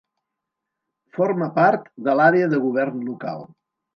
Forma part de l'àrea de govern local.